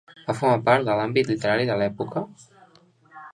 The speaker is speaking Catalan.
Va formar part de l'àmbit literari de l'època?